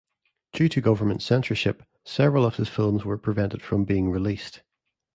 Due to government censorship several of his films were prevented from being released.